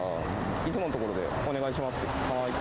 いつもの所でお願いします。